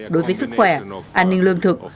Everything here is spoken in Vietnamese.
đối với sức khỏe an ninh lương thực